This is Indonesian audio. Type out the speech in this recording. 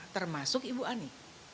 termasuk ibu ani